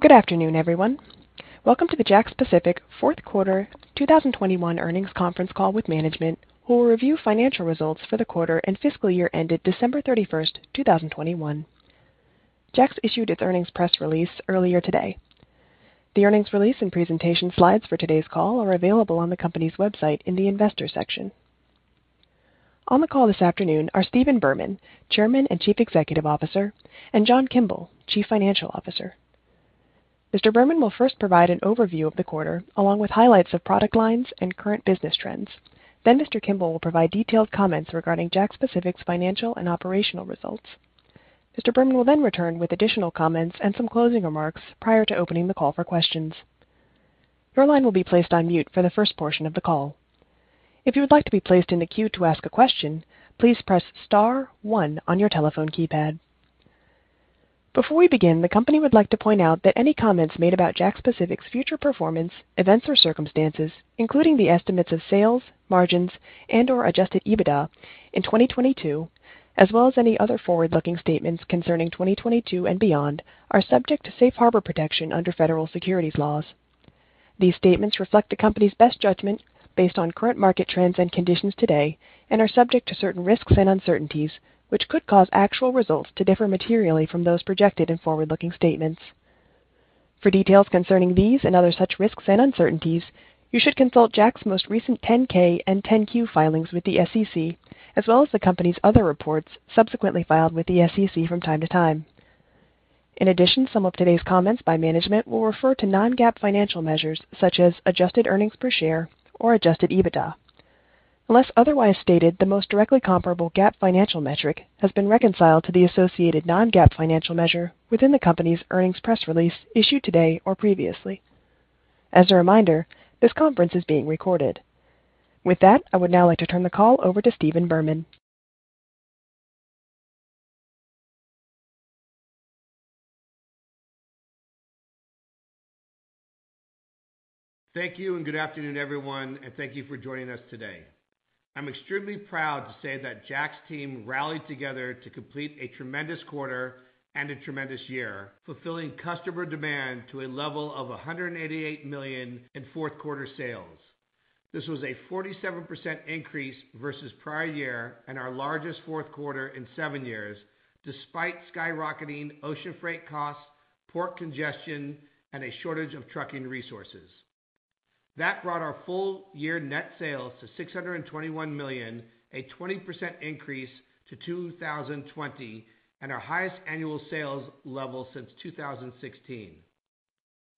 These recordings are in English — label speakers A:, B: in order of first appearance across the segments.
A: Good afternoon, everyone. Welcome to the JAKKS Pacific fourth quarter 2021 earnings conference call with management, who will review financial results for the quarter and fiscal year ended December 31st, 2021. JAKKS issued its earnings press release earlier today. The earnings release and presentation slides for today's call are available on the company's website in the Investors section. On the call this afternoon are Stephen Berman, Chairman and Chief Executive Officer, and John Kimble, Chief Financial Officer. Mr. Berman will first provide an overview of the quarter, along with highlights of product lines and current business trends. Then Mr. Kimble will provide detailed comments regarding JAKKS Pacific's financial and operational results. Mr. Berman will then return with additional comments and some closing remarks prior to opening the call for questions. Your line will be placed on mute for the first portion of the call. Before we begin, the company would like to point out that any comments made about JAKKS Pacific's future performance, events or circumstances, including the estimates of sales, margins, and/or Adjusted EBITDA in 2022, as well as any other forward-looking statements concerning 2022 and beyond, are subject to safe harbor protection under federal securities laws. These statements reflect the company's best judgment based on current market trends and conditions today and are subject to certain risks and uncertainties, which could cause actual results to differ materially from those projected in forward-looking statements. For details concerning these and other such risks and uncertainties, you should consult JAKKS Pacific's most recent 10-K and 10-Q filings with the SEC, as well as the company's other reports subsequently filed with the SEC from time to time. In addition, some of today's comments by management will refer to non-GAAP financial measures such as adjusted earnings per share or Adjusted EBITDA. Unless otherwise stated, the most directly comparable GAAP financial metric has been reconciled to the associated non-GAAP financial measure within the company's earnings press release issued today or previously. As a reminder, this conference is being recorded. With that, I would now like to turn the call over to Stephen Berman.
B: Thank you, and good afternoon, everyone, and thank you for joining us today. I'm extremely proud to say that JAKKS Pacific team rallied together to complete a tremendous quarter and a tremendous year, fulfilling customer demand to a level of $188 million in fourth quarter sales. This was a 47% increase versus prior year and our largest fourth quarter in seven years, despite skyrocketing ocean freight costs, port congestion, and a shortage of trucking resources. That brought our full year net sales to $621 million, a 20% increase to 2020, and our highest annual sales level since 2016.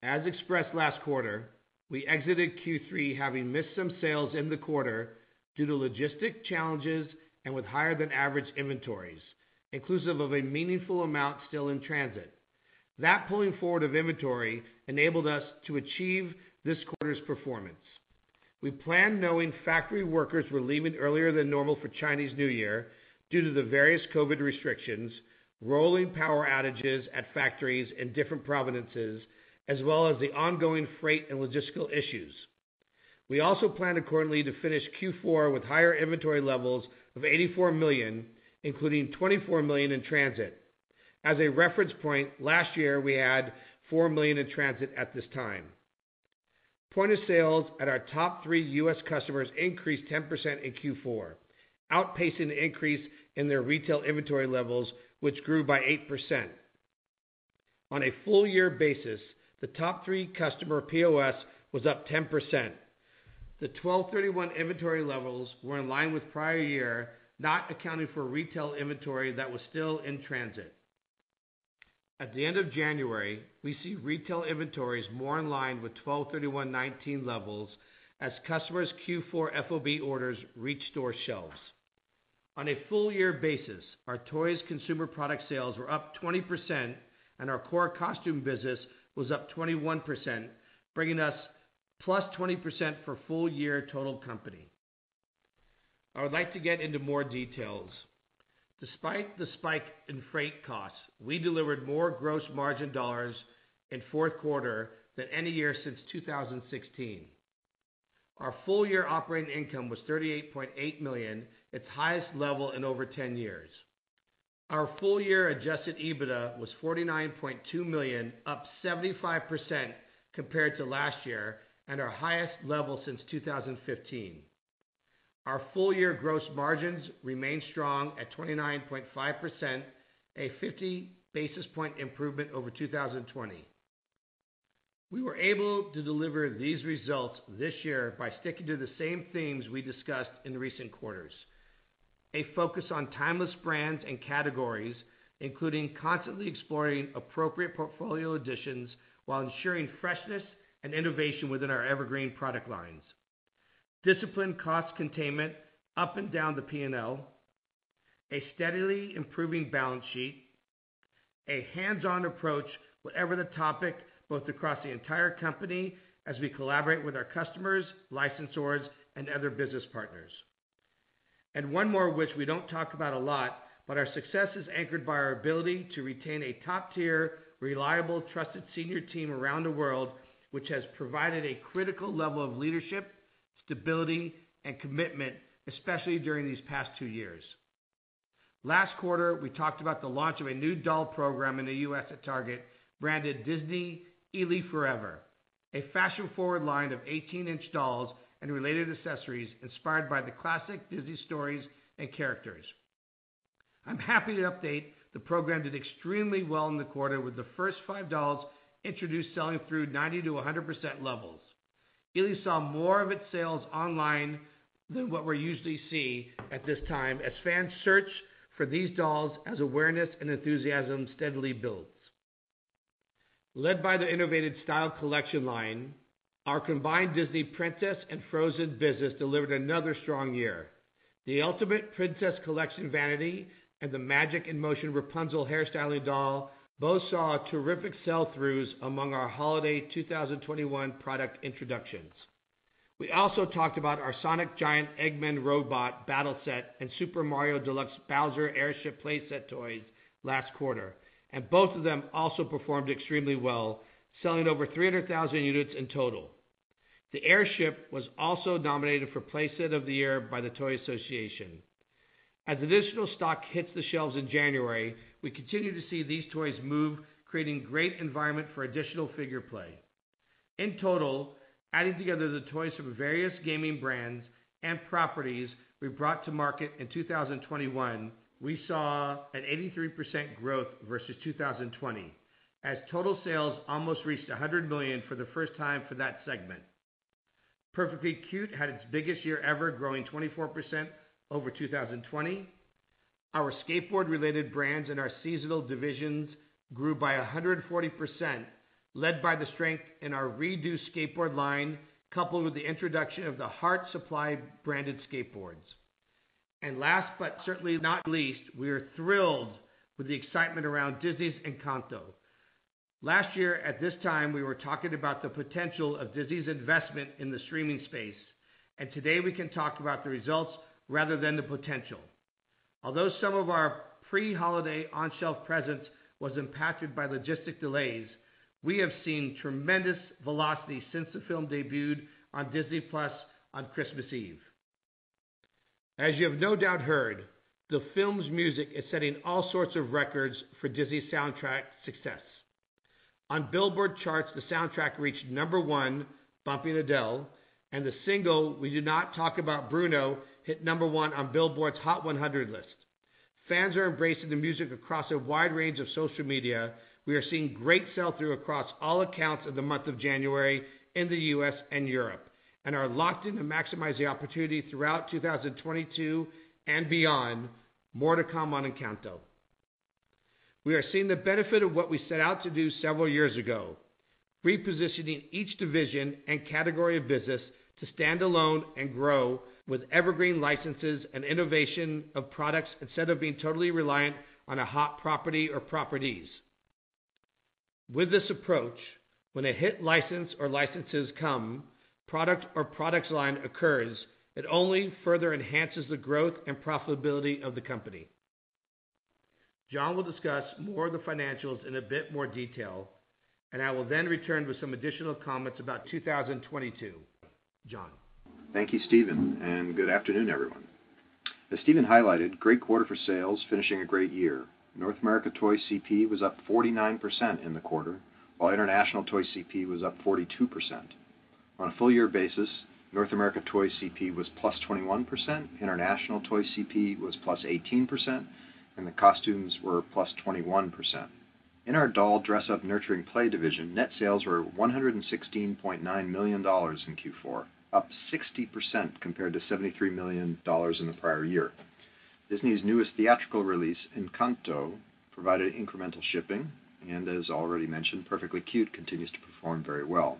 B: As expressed last quarter, we exited Q3 having missed some sales in the quarter due to logistic challenges and with higher than average inventories, inclusive of a meaningful amount still in transit. That pulling forward of inventory enabled us to achieve this quarter's performance. We planned knowing factory workers were leaving earlier than normal for Chinese New Year due to the various COVID-19 restrictions, rolling power outages at factories in different provinces, as well as the ongoing freight and logistical issues. We also planned accordingly to finish Q4 with higher inventory levels of $84 million, including $24 million in transit. As a reference point, last year we had $4 million in transit at this time. Point of sale at our top three U.S. customers increased 10% in Q4, outpacing the increase in their retail inventory levels, which grew by 8%. On a full year basis, the top three customer POS was up 10%. The 12/31 inventory levels were in line with prior year, not accounting for retail inventory that was still in transit. At the end of January, we see retail inventories more in line with 12/31/2019 levels as customers' Q4 FOB orders reach store shelves. On a full year basis, our Toys/Consumer Product sales were up 20% and our core Costume business was up 21%, bringing us +20% for full year total company. I would like to get into more details. Despite the spike in freight costs, we delivered more gross margin dollars in fourth quarter than any year since 2016. Our full year operating income was $38.8 million, its highest level in over ten years. Our full year Adjusted EBITDA was $49.2 million, up 75% compared to last year and our highest level since 2015. Our full year gross margins remained strong at 29.5%, a 50 basis point improvement over 2020. We were able to deliver these results this year by sticking to the same themes we discussed in recent quarters. A focus on timeless brands and categories, including constantly exploring appropriate portfolio additions while ensuring freshness and innovation within our evergreen product lines. Disciplined cost containment up and down the P&L. A steadily improving balance sheet. A hands-on approach whatever the topic, both across the entire company as we collaborate with our customers, licensors, and other business partners. One more, which we don't talk about a lot, but our success is anchored by our ability to retain a top-tier, reliable, trusted senior team around the world, which has provided a critical level of leadership, stability, and commitment, especially during these past two years. Last quarter, we talked about the launch of a new doll program in the U.S. at Target branded Disney ily 4EVER, a fashion-forward line of 18-inch dolls and related accessories inspired by the classic Disney stories and characters. I'm happy to update that the program did extremely well in the quarter, with the first five dolls introduced selling through 90%-100% levels. Disney ily 4EVER saw more of its sales online than what we usually see at this time, as fans search for these dolls as awareness and enthusiasm steadily builds. Led by the innovative Style Collection line, our combined Disney Princess and Frozen business delivered another strong year. The Ultimate Princess Celebration Vanity and the Magic in Motion Hair Glow Rapunzel doll both saw terrific sell-throughs among our holiday 2021 product introductions. We also talked about our Sonic the Hedgehog Giant Eggman Robot Battle Set and Super Mario Deluxe Bowser's Airship Playset toys last quarter, and both of them also performed extremely well, selling over 300,000 units in total. The airship was also nominated for Playset of the Year by the Toy Association. As additional stock hits the shelves in January, we continue to see these toys move, creating great environment for additional figure play. In total, adding together the toys from various gaming brands and properties we brought to market in 2021, we saw an 83% growth versus 2020, as total sales almost reached $100 million for the first time for that segment. Perfectly Cute had its biggest year ever, growing 24% over 2020. Our skateboard related brands and our seasonal divisions grew by 140%, led by the strength in our ReDo Skateboard line, coupled with the introduction of The Heart Supply branded skateboards. Last but certainly not least, we are thrilled with the excitement around Disney's Encanto. Last year at this time, we were talking about the potential of Disney's investment in the streaming space, and today we can talk about the results rather than the potential. Although some of our pre-holiday on-shelf presence was impacted by logistic delays, we have seen tremendous velocity since the film debuted on Disney+ on Christmas Eve. As you have no doubt heard, the film's music is setting all sorts of records for Disney soundtrack success. On Billboard charts, the soundtrack reached number one, bumping Adele, and the single We Don't Talk About Bruno hit number one on Billboard's Hot 100 list. Fans are embracing the music across a wide range of social media. We are seeing great sell-through across all accounts of the month of January in the U.S. and Europe and are locked in to maximize the opportunity throughout 2022 and beyond. More to come on Encanto. We are seeing the benefit of what we set out to do several years ago, repositioning each division and category of business to stand alone and grow with evergreen licenses and innovation of products instead of being totally reliant on a hot property or properties. With this approach, when a hit license or licenses come, product or products line occurs, it only further enhances the growth and profitability of the company. John will discuss more of the financials in a bit more detail, and I will then return with some additional comments about 2022. John?
C: Thank you, Stephen, and good afternoon, everyone. As Stephen highlighted, great quarter for sales, finishing a great year. North America Toys/CP was up 49% in the quarter, while international Toys/CP was up 42%. On a full year basis, North America Toys/CP was +21%, international Toys/CP was +18%, and the Costumes were +21%. In our doll dress up nurturing play division, net sales were $116.9 million in Q4, up 60% compared to $73 million in the prior year. Disney's newest theatrical release, Encanto, provided incremental shipping, and as already mentioned, Perfectly Cute continues to perform very well.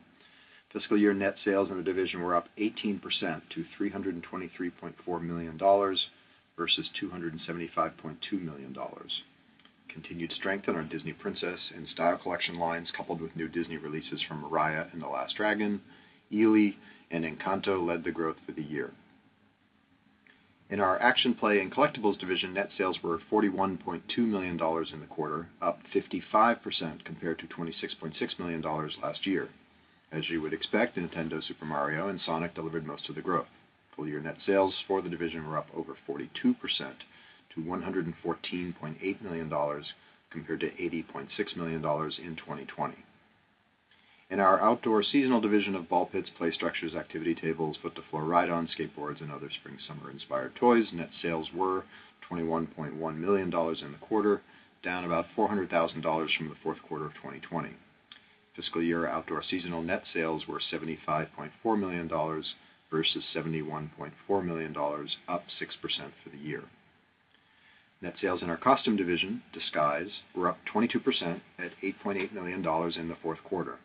C: Fiscal year net sales in the division were up 18% to $323.4 million versus $275.2 million. Continued strength in our Disney Princess and Style Collection lines, coupled with new Disney releases from Raya and the Last Dragon and Encanto, led the growth for the year. In our action play and collectibles division, net sales were $41.2 million in the quarter, up 55% compared to $26.6 million last year. As you would expect, Nintendo Super Mario and Sonic delivered most of the growth. Full year net sales for the division were up over 42% to $114.8 million compared to $80.6 million in 2020. In our outdoor seasonal division of ball pits, play structures, activity tables, foot to floor ride on skateboards and other spring summer inspired toys, net sales were $21.1 million in the quarter, down about $400,000 from the fourth quarter of 2020. Fiscal year outdoor seasonal net sales were $75.4 million versus $71.4 million, up 6% for the year. Net sales in our costume division, Disguise, were up 22% at $8.8 million in the fourth quarter.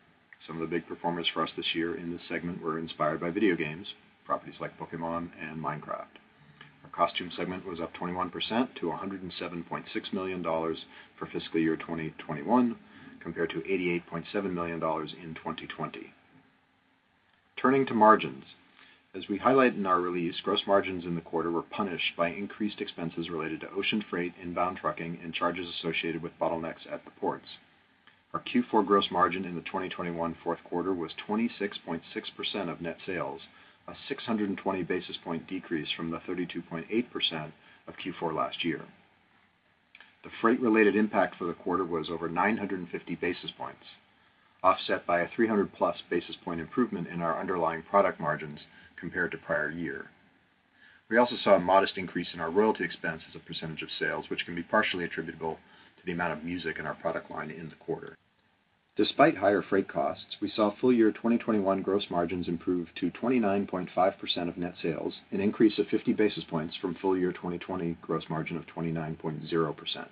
C: Some of the big performers for us this year in this segment were inspired by video games, properties like Pokémon and Minecraft. Our costume segment was up 21% to $107.6 million for fiscal year 2021 compared to $88.7 million in 2020. Turning to margins. As we highlight in our release, gross margins in the quarter were punished by increased expenses related to ocean freight, inbound trucking, and charges associated with bottlenecks at the ports. Our Q4 gross margin in the 2021 fourth quarter was 26.6% of net sales, a 620 basis point decrease from the 32.8% of Q4 last year. The freight-related impact for the quarter was over 950 basis points, offset by a 300+ basis point improvement in our underlying product margins compared to prior year. We also saw a modest increase in our royalty expense as a percentage of sales, which can be partially attributable to the amount of music in our product line in the quarter. Despite higher freight costs, we saw full year 2021 gross margins improve to 29.5% of net sales, an increase of 50 basis points from full year 2020 gross margin of 29.0%.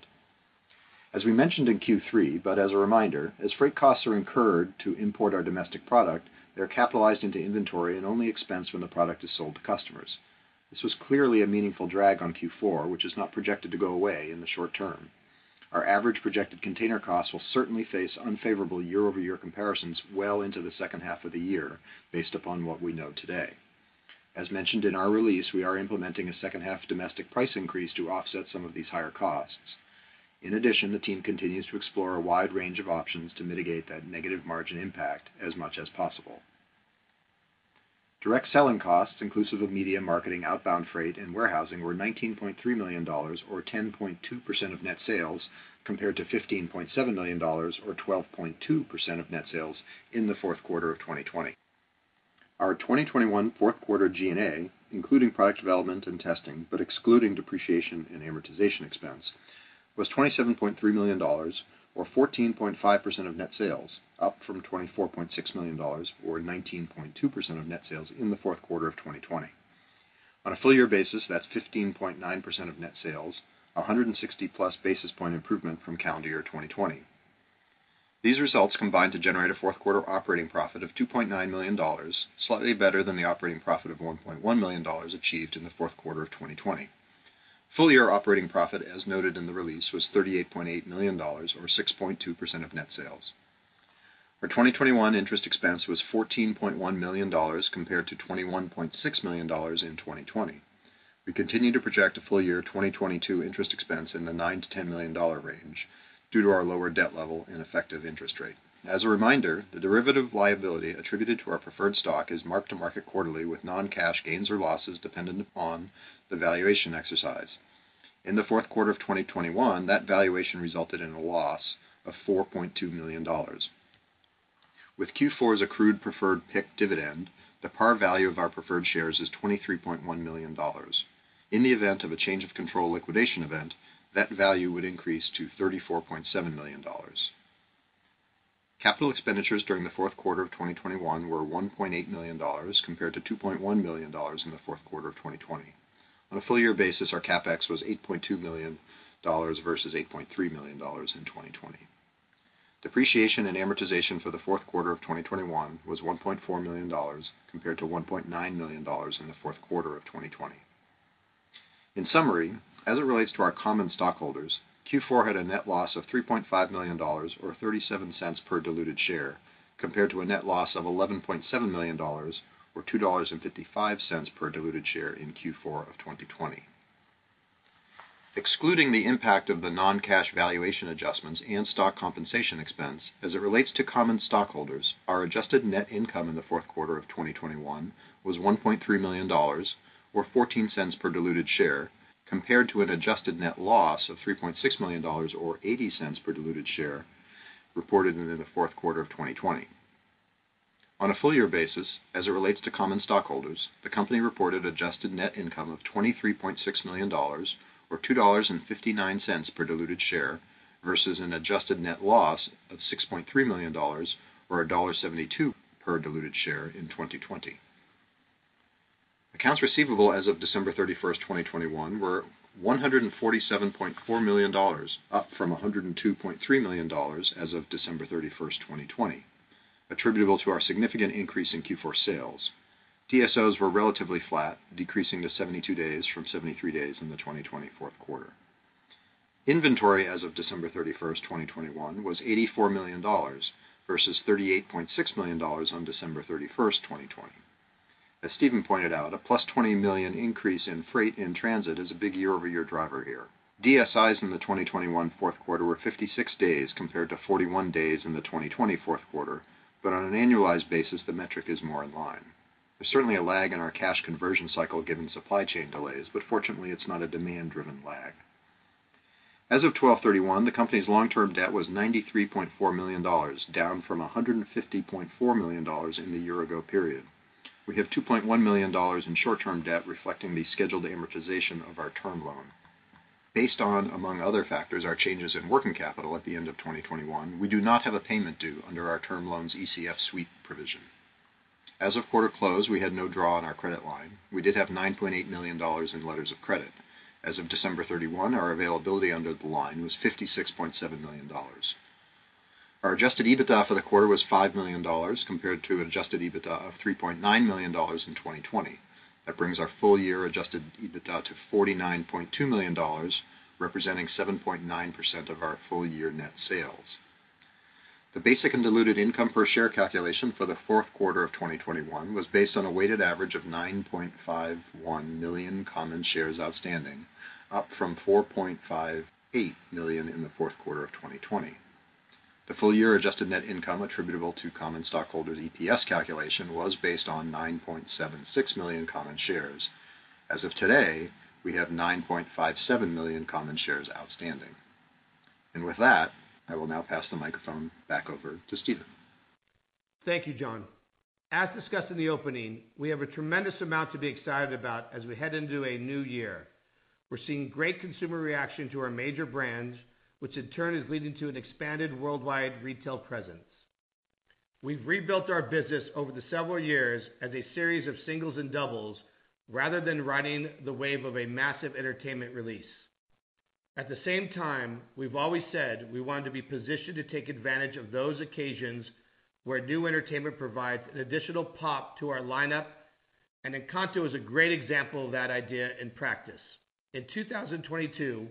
C: As we mentioned in Q3, but as a reminder, as freight costs are incurred to import our domestic product, they're capitalized into inventory and only expense when the product is sold to customers. This was clearly a meaningful drag on Q4, which is not projected to go away in the short term. Our average projected container costs will certainly face unfavorable year-over-year comparisons well into the second half of the year based upon what we know today. As mentioned in our release, we are implementing a second half domestic price increase to offset some of these higher costs. In addition, the team continues to explore a wide range of options to mitigate that negative margin impact as much as possible. Direct selling costs, inclusive of media, marketing, outbound freight, and warehousing, were $19.3 million or 10.2% of net sales, compared to $15.7 million or 12.2% of net sales in the fourth quarter of 2020. Our 2021 fourth quarter G&A, including product development and testing, but excluding depreciation and amortization expense, was $27.3 million or 14.5% of net sales, up from $24.6 million or 19.2% of net sales in the fourth quarter of 2020. On a full year basis, that's 15.9% of net sales, a 160+ basis point improvement from calendar year 2020. These results combined to generate a fourth quarter operating profit of $2.9 million, slightly better than the operating profit of $1.1 million achieved in the fourth quarter of 2020. Full year operating profit, as noted in the release, was $38.8 million or 6.2% of net sales. Our 2021 interest expense was $14.1 million compared to $21.6 million in 2020. We continue to project a full year 2022 interest expense in the $9 million-$10 million range due to our lower debt level and effective interest rate. As a reminder, the derivative liability attributed to our preferred stock is marked to market quarterly with non-cash gains or losses dependent upon the valuation exercise. In the fourth quarter of 2021, that valuation resulted in a loss of $4.2 million. With Q4's accrued preferred PIK dividend, the par value of our preferred shares is $23.1 million. In the event of a change of control liquidation event, that value would increase to $34.7 million. Capital expenditures during the fourth quarter of 2021 were $1.8 million compared to $2.1 million in the fourth quarter of 2020. On a full year basis, our CapEx was $8.2 million versus $8.3 million in 2020. Depreciation and amortization for the fourth quarter of 2021 was $1.4 million compared to $1.9 million in the fourth quarter of 2020. In summary, as it relates to our common stockholders, Q4 had a net loss of $3.5 million or $0.37 per diluted share, compared to a net loss of $11.7 million or $2.55 per diluted share in Q4 of 2020. Excluding the impact of the non-cash valuation adjustments and stock compensation expense as it relates to common stockholders, our adjusted net income in the fourth quarter of 2021 was $1.3 million or $0.14 per diluted share, compared to an adjusted net loss of $3.6 million or $0.80 per diluted share reported in the fourth quarter of 2020. On a full year basis, as it relates to common stockholders, the company reported adjusted net income of $23.6 million or $2.59 per diluted share versus an adjusted net loss of $6.3 million or $1.72 per diluted share in 2020. Accounts receivable as of December 31st, 2021 were $147.4 million, up from $102.3 million as of December 31st, 2020. Attributable to our significant increase in Q4 sales, DSOs were relatively flat, decreasing to 72 days from 73 days in the 2020 fourth quarter. Inventory as of December 31st, 2021 was $84 million versus $38.6 million on December 31st, 2020. As Stephen pointed out, a +$20 million increase in freight in transit is a big year-over-year driver here. DSIs in the 2021 fourth quarter were 56 days compared to 41 days in the 2020 fourth quarter. On an annualized basis, the metric is more in line. There's certainly a lag in our cash conversion cycle given supply chain delays, but fortunately, it's not a demand-driven lag. As of 12/31/2021, the company's long-term debt was $93.4 million, down from $150.4 million in the year-ago period. We have $2.1 million in short-term debt reflecting the scheduled amortization of our term loan. Based on, among other factors, our changes in working capital at the end of 2021, we do not have a payment due under our term loan's ECF sweep provision. As of quarter close, we had no draw on our credit line. We did have $9.8 million in letters of credit. As of December 31, our availability under the line was $56.7 million. Our Adjusted EBITDA for the quarter was $5 million compared to Adjusted EBITDA of $3.9 million in 2020. That brings our full year Adjusted EBITDA to $49.2 million, representing 7.9% of our full year net sales. The basic and diluted income per share calculation for the fourth quarter of 2021 was based on a weighted average of 9.51 million common shares outstanding, up from 4.58 million in the fourth quarter of 2020. The full year adjusted net income attributable to common stockholders' EPS calculation was based on 9.76 million common shares. As of today, we have 9.57 million common shares outstanding. With that, I will now pass the microphone back over to Stephen.
B: Thank you, John. As discussed in the opening, we have a tremendous amount to be excited about as we head into a new year. We're seeing great consumer reaction to our major brands, which in turn is leading to an expanded worldwide retail presence. We've rebuilt our business over the several years as a series of singles and doubles rather than riding the wave of a massive entertainment release. At the same time, we've always said we wanted to be positioned to take advantage of those occasions where new entertainment provides an additional pop to our lineup, and Encanto is a great example of that idea in practice. In 2022,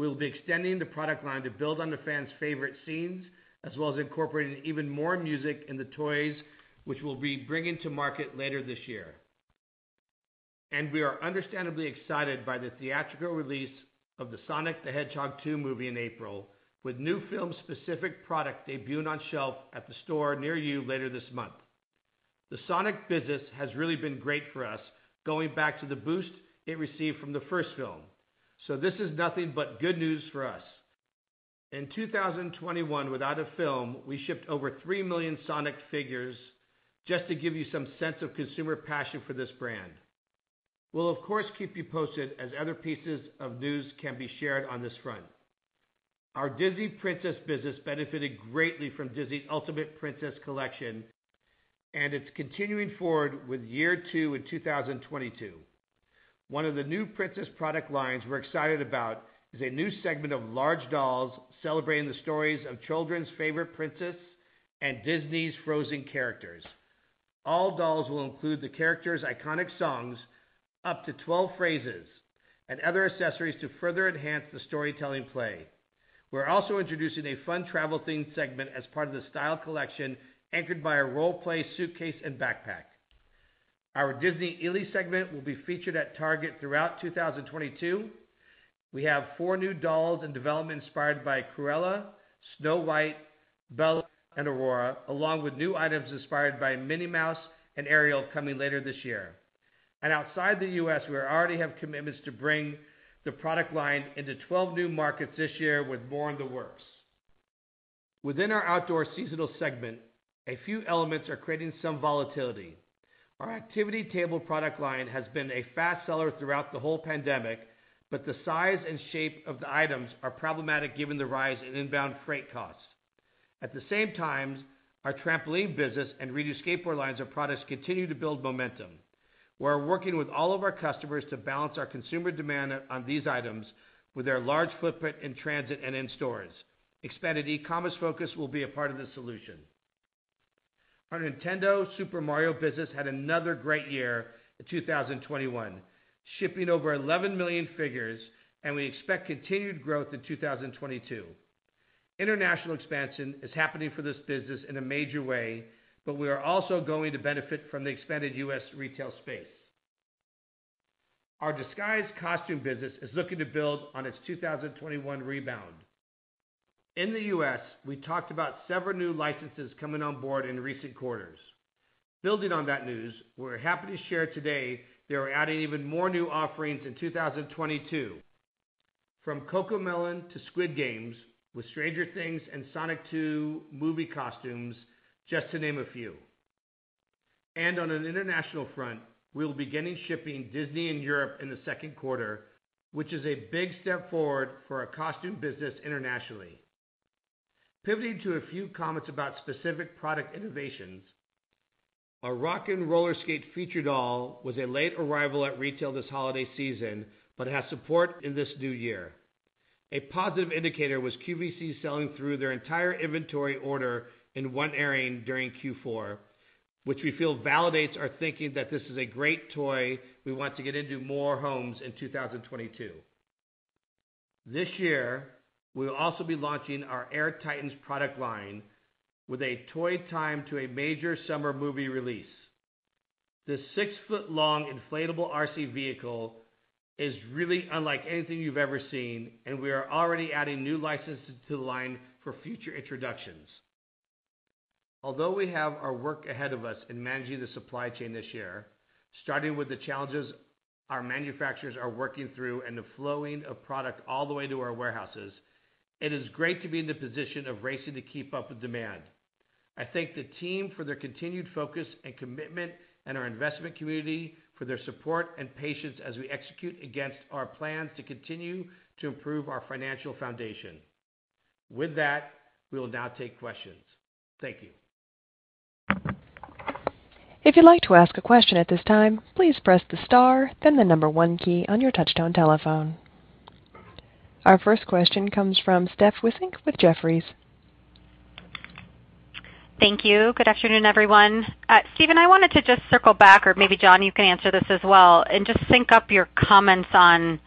B: we'll be extending the product line to build on the fans' favorite scenes, as well as incorporating even more music in the toys, which we'll be bringing to market later this year. We are understandably excited by the theatrical release of the Sonic the Hedgehog 2 movie in April, with new film-specific product debuting on shelf at the store near you later this month. The Sonic business has really been great for us, going back to the boost it received from the first film. This is nothing but good news for us. In 2021, without a film, we shipped over 3 million Sonic figures just to give you some sense of consumer passion for this brand. We'll of course, keep you posted as other pieces of news can be shared on this front. Our Disney Princess business benefited greatly from Disney's Ultimate Princess Collection, and it's continuing forward with year two in 2022. One of the new Disney Princess product lines we're excited about is a new segment of large dolls celebrating the stories of children's favorite princess and Disney's Frozen characters. All dolls will include the character's iconic songs, up to 12 phrases, and other accessories to further enhance the storytelling play. We're also introducing a fun travel-themed segment as part of the style collection, anchored by a role play suitcase and backpack. Our Disney ily 4EVER segment will be featured at Target throughout 2022. We have four new dolls in development inspired by Cruella, Snow White, Belle, and Aurora, along with new items inspired by Minnie Mouse and Ariel coming later this year. Outside the U.S., we already have commitments to bring the product line into 12 new markets this year, with more in the works. Within our outdoor seasonal segment, a few elements are creating some volatility. Our activity table product line has been a fast seller throughout the whole pandemic, but the size and shape of the items are problematic given the rise in inbound freight costs. At the same time, our trampoline business and ReDo Skateboard lines of products continue to build momentum. We're working with all of our customers to balance our consumer demand on these items with their large footprint in transit and in stores. Expanded e-commerce focus will be a part of the solution. Our Nintendo Super Mario business had another great year in 2021, shipping over 11 million figures, and we expect continued growth in 2022. International expansion is happening for this business in a major way, but we are also going to benefit from the expanded U.S. retail space. Our Disguise costume business is looking to build on its 2021 rebound. In the U.S., we talked about several new licenses coming on board in recent quarters. Building on that news, we're happy to share today they are adding even more new offerings in 2022, from CoComelon to Squid Game with Stranger Things and Sonic 2 movie costumes, just to name a few. On an international front, we will be beginning shipping Disney in Europe in the second quarter, which is a big step forward for our costume business internationally. Pivoting to a few comments about specific product innovations, our Rock n' Rollerskate featured doll was a late arrival at retail this holiday season, but has support in this new year. A positive indicator was QVC selling through their entire inventory order in one airing during Q4, which we feel validates our thinking that this is a great toy we want to get into more homes in 2022. This year, we will also be launching our AirTitans product line with a toy tied to a major summer movie release. This 6-ft long inflatable RC vehicle is really unlike anything you've ever seen, and we are already adding new licenses to the line for future introductions. Although we have our work ahead of us in managing the supply chain this year, starting with the challenges our manufacturers are working through and the flowing of product all the way to our warehouses, it is great to be in the position of racing to keep up with demand. I thank the team for their continued focus and commitment, and our investment community for their support and patience as we execute against our plans to continue to improve our financial foundation. With that, we will now take questions. Thank you.
A: Our first question comes from Steph Wissink with Jefferies.
D: Thank you. Good afternoon, everyone. Stephen, I wanted to just circle back, or maybe John, you can answer this as well, and just sync up your comments on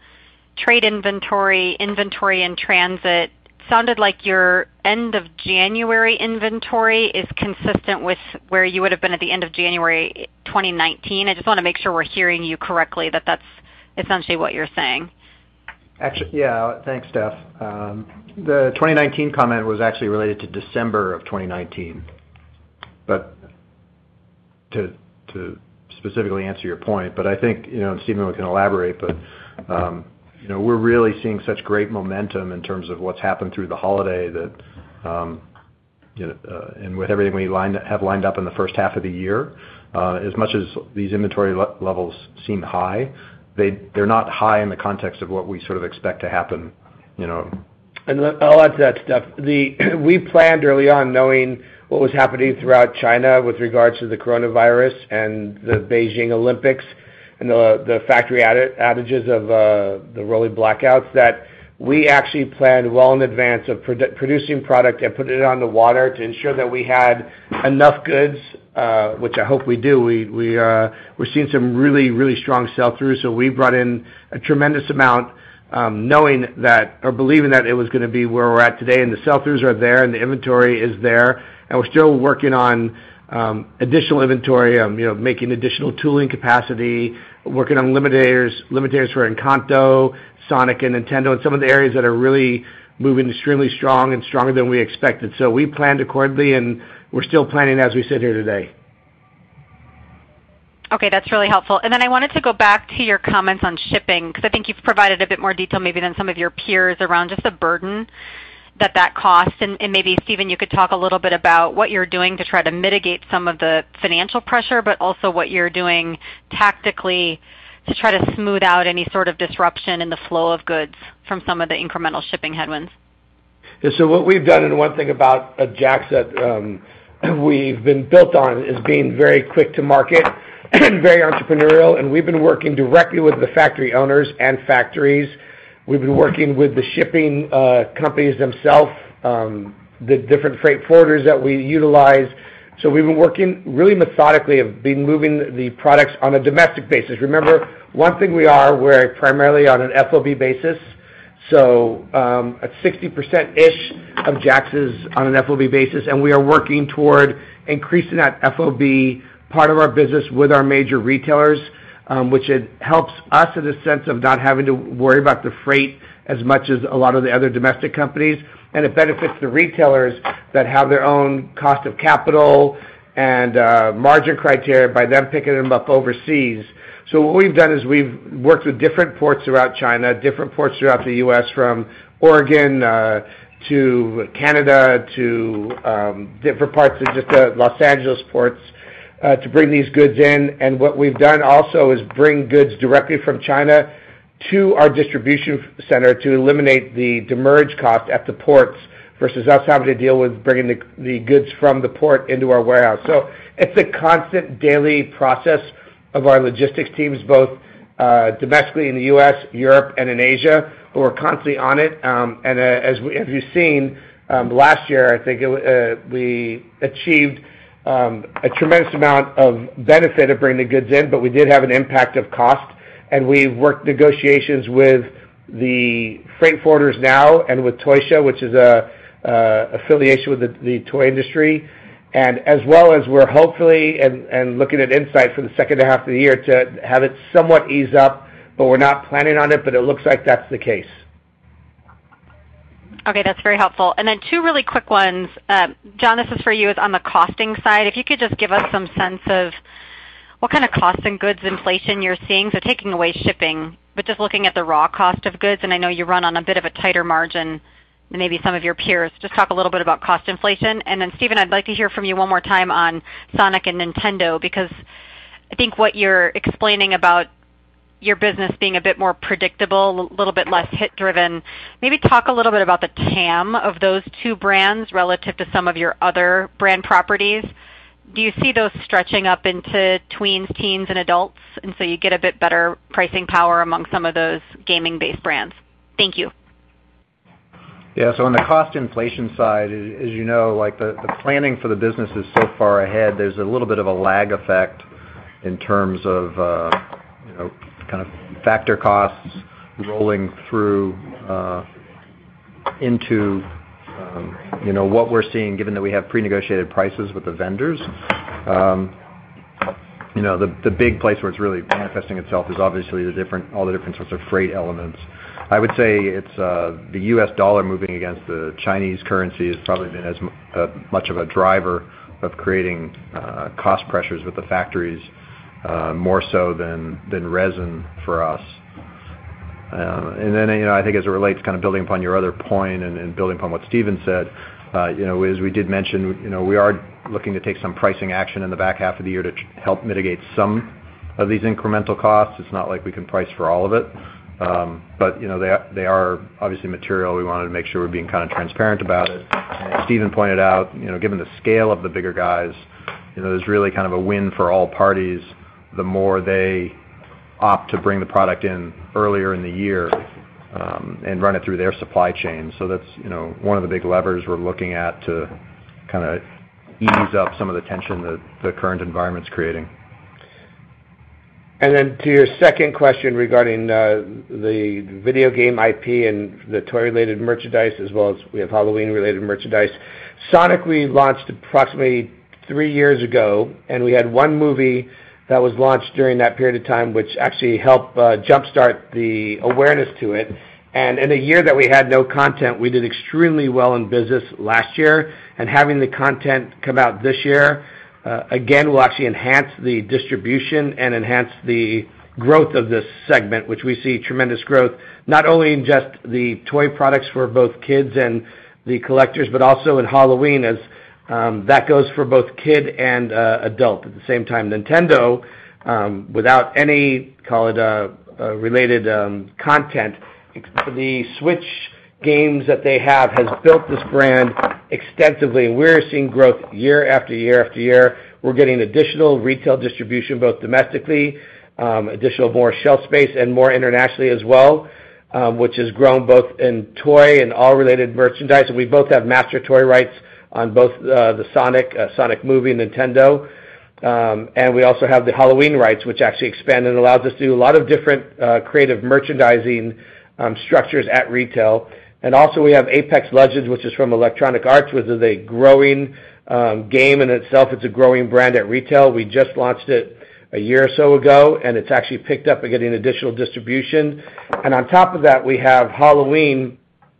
D: trade inventory in transit. Sounded like your end of January inventory is consistent with where you would have been at the end of January 2019. I just want to make sure we're hearing you correctly that that's essentially what you're saying.
C: Actually, yeah. Thanks, Steph. The 2019 comment was actually related to December of 2019. To specifically answer your point, I think, you know, and Stephen can elaborate, you know, we're really seeing such great momentum in terms of what's happened through the holiday that, you know, and with everything we have lined up in the first half of the year, as much as these inventory levels seem high, they're not high in the context of what we sort of expect to happen, you know.
B: I'll add to that, Steph. We planned early on knowing what was happening throughout China with regards to the coronavirus and the Beijing Olympics and the factory outages of the rolling blackouts that we actually planned well in advance of producing product and putting it on the water to ensure that we had enough goods, which I hope we do. We're seeing some really strong sell-throughs, so we brought in a tremendous amount, knowing that or believing that it was gonna be where we're at today, and the sell-throughs are there and the inventory is there. We're still working on additional inventory, you know, making additional tooling capacity, working on limitators for Encanto, Sonic, and Nintendo, and some of the areas that are really moving extremely strong and stronger than we expected. We planned accordingly, and we're still planning as we sit here today.
D: Okay, that's really helpful. Then I wanted to go back to your comments on shipping 'cause I think you've provided a bit more detail maybe than some of your peers around just the burden that that costs. Maybe Stephen, you could talk a little bit about what you're doing to try to mitigate some of the financial pressure, but also what you're doing tactically to try to smooth out any sort of disruption in the flow of goods from some of the incremental shipping headwinds?
B: Yeah. What we've done, and one thing about JAKKS Pacific that we've been built on is being very quick to market, very entrepreneurial, and we've been working directly with the factory owners and factories. We've been working with the shipping companies themselves, the different freight forwarders that we utilize. We've been working really methodically moving the products on a domestic basis. Remember, one thing we're primarily on an FOB basis. At 60%-ish of JAKKS Pacific is on an FOB basis, and we are working toward increasing that FOB part of our business with our major retailers, which it helps us in the sense of not having to worry about the freight as much as a lot of the other domestic companies, and it benefits the retailers that have their own cost of capital and, margin criteria by them picking them up overseas. What we've done is we've worked with different ports throughout China, different ports throughout the U.S. from Oregon, to Canada, to different parts of just, Los Angeles ports, to bring these goods in. What we've done also is bring goods directly from China to our distribution center to eliminate the demurrage cost at the ports versus us having to deal with bringing the goods from the port into our warehouse. It's a constant daily process of our logistics teams, both domestically in the U.S., Europe, and in Asia, who are constantly on it. As you've seen, last year, I think we achieved a tremendous amount of benefit of bringing the goods in, but we did have an impact of cost, and we worked negotiations with the freight forwarders now and with Toy Shippers Association, which is an affiliation with the toy industry. As well as we're hopefully and looking at insights for the second half of the year to have it somewhat ease up, but we're not planning on it, but it looks like that's the case.
D: Okay, that's very helpful. Then two really quick ones. John, this is for you. It's on the costing side. If you could just give us some sense of what kind of cost and goods inflation you're seeing. So taking away shipping, but just looking at the raw cost of goods, and I know you run on a bit of a tighter margin than maybe some of your peers. Just talk a little bit about cost inflation. Then, Stephen, I'd like to hear from you one more time on Sonic and Nintendo, because I think what you're explaining about your business being a bit more predictable, little bit less hit-driven, maybe talk a little bit about the TAM of those two brands relative to some of your other brand properties. Do you see those stretching up into tweens, teens, and adults, and so you get a bit better pricing power among some of those gaming-based brands? Thank you.
C: Yes. So on the cost inflation side, as you know, like the planning for the business is so far ahead, there's a little bit of a lag effect in terms of, you know, kind of factor costs rolling through, into, you know, what we're seeing given that we have prenegotiated prices with the vendors. The big place where it's really manifesting itself is obviously all the different sorts of freight elements. I would say it's the U.S. dollar moving against the Chinese currency has probably been as much of a driver of creating cost pressures with the factories, more so than resin for us. You know, I think as it relates, kind of building upon your other point and building upon what Stephen said, you know, as we did mention, you know, we are looking to take some pricing action in the back half of the year to help mitigate some of these incremental costs. It's not like we can price for all of it. You know, they are obviously material. We wanted to make sure we're being kind of transparent about it. As Stephen pointed out, you know, given the scale of the bigger guys, you know, there's really kind of a win for all parties, the more they opt to bring the product in earlier in the year, and run it through their supply chain. That's, you know, one of the big levers we're looking at to kinda ease up some of the tension the current environment's creating.
B: To your second question regarding the video game IP and the toy-related merchandise as well as we have Halloween-related merchandise. Sonic, we launched approximately three years ago, and we had one movie that was launched during that period of time, which actually helped jumpstart the awareness to it. In the year that we had no content, we did extremely well in business last year. Having the content come out this year, again, will actually enhance the distribution and enhance the growth of this segment, which we see tremendous growth, not only in just the toy products for both kids and the collectors, but also in Halloween as that goes for both kid and adult. At the same time, Nintendo, without any related content, the Switch games that they have has built this brand extensively, and we're seeing growth year after year after year. We're getting additional retail distribution, both domestically, additional more shelf space and more internationally as well, which has grown both in toy and all related merchandise. We both have master toy rights on both, the Sonic movie, Nintendo. We also have the Halloween rights, which actually expand and allows us to do a lot of different, creative merchandising, structures at retail. Also, we have Apex Legends, which is from Electronic Arts, which is a growing, game in itself. It's a growing brand at retail. We just launched it a year or so ago, and it's actually picked up and getting additional distribution. On top of that, we have Halloween,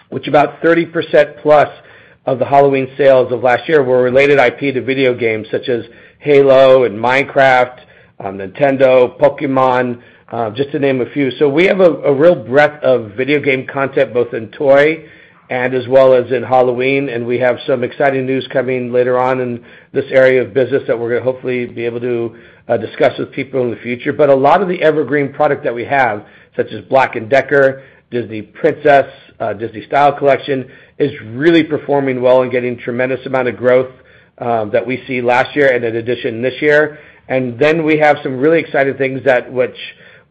B: which about 30%+ of the Halloween sales of last year were related IP to video games such as Halo and Minecraft, Nintendo, Pokémon, just to name a few. We have a real breadth of video game content both in toy and as well as in Halloween. We have some exciting news coming later on in this area of business that we're gonna hopefully be able to discuss with people in the future. A lot of the evergreen product that we have, such as BLACK+DECKER, Disney Princess, Disney Princess Style Collection, is really performing well and getting tremendous amount of growth that we see last year and in addition this year. We have some really exciting things that which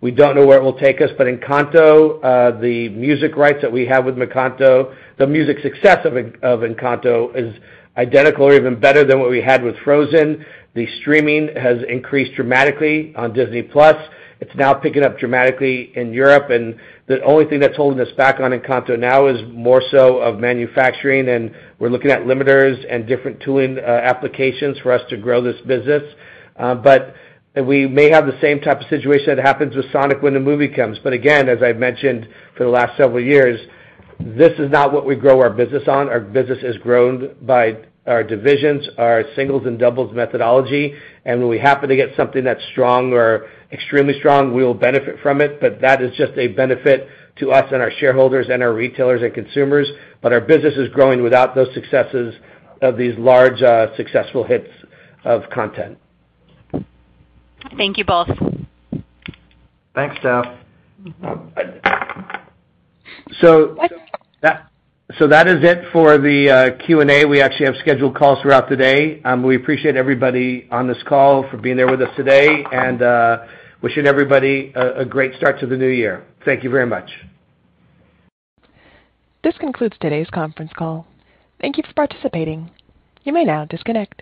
B: we don't know where it will take us. Encanto, the music rights that we have with Encanto, the music success of Encanto is identical or even better than what we had with Frozen. The streaming has increased dramatically on Disney+. It's now picking up dramatically in Europe, and the only thing that's holding us back on Encanto now is more so of manufacturing, and we're looking at limiters and different tooling applications for us to grow this business. We may have the same type of situation that happens with Sonic when the movie comes. Again, as I've mentioned for the last several years, this is not what we grow our business on. Our business is grown by our divisions, our singles and doubles methodology, and when we happen to get something that's strong or extremely strong, we'll benefit from it. That is just a benefit to us and our shareholders and our retailers and consumers, but our business is growing without those successes of these large, successful hits of content.
D: Thank you both.
B: Thanks, Steph. That is it for the Q&A. We actually have scheduled calls throughout the day. We appreciate everybody on this call for being there with us today and wishing everybody a great start to the new year. Thank you very much.
A: This concludes today's conference call. Thank you for participating. You may now disconnect.